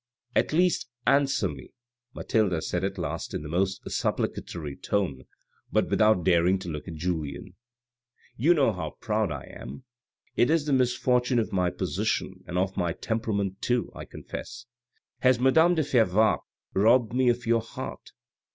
"At least answer me," Mathilde said at last, in the most supplicatory tone, but without daring to look at Julien :" You know how proud I am. It is the misfortune of my position, and of my temperament, too, I confess. Has madame de Fervaques robbed me of your heart?